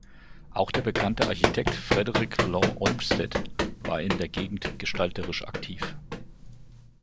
Auch der bekannte Architekt Frederick Law Olmsted war in der Gegend gestalterisch aktiv.